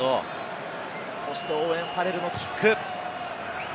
そしてオーウェン・ファレルのキック。